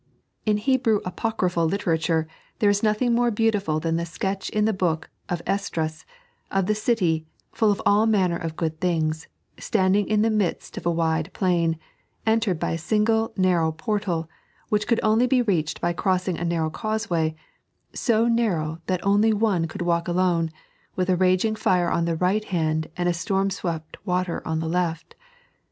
In Hebrew apocryphal literature there is nothing more beautiful than the sketch in the book of Esdras, of the city, " full of all manner of good things," standing in the midst of a wide plain, Altered by a single narrow portal, which could only be reached by crossing a narrow causeway — so narrow that only one could walk alotie — with a raging fire on the right hand and storm swept water on the left.